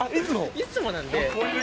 いつもなんで。